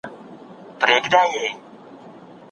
ماشوم په ډېر سرعت سره وتښتېد.